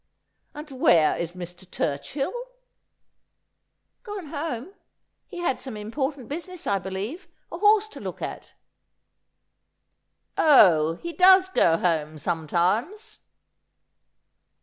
' And where is Mr. Turchill ?'' Gone home. He had some important business, I believe — a horse to look at.' ' Oh, he does go home sometimes